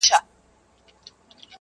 • تور مولوي به په شیطانه ژبه -